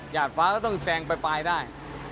หยาดฟ้าก็ต้องแซงไปได้